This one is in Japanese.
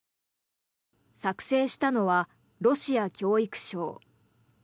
作成したのはロシア教育省。